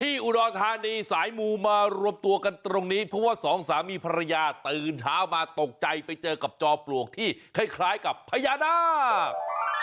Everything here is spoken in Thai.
อุดรธานีสายมูมารวมตัวกันตรงนี้เพราะว่าสองสามีภรรยาตื่นเช้ามาตกใจไปเจอกับจอมปลวกที่คล้ายกับพญานาค